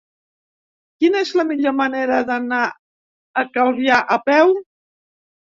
Quina és la millor manera d'anar a Calvià a peu?